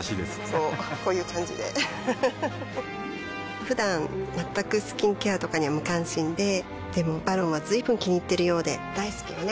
こうこういう感じでうふふふだん全くスキンケアとかに無関心ででも「ＶＡＲＯＮ」は随分気にいっているようで大好きよね